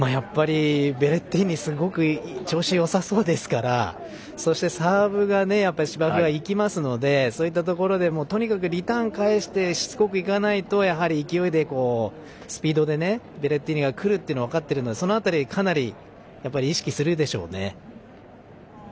ベレッティーニはすごく調子がよさそうですしそしてサーブが芝生は生きますのでそういったところでとにかくリターンを返してしつこくいかないと勢い、スピードでベレッティーニがくるというのが分かっているのでその辺りはかなり意識するでしょうね。